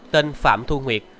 tên phạm thu huyệt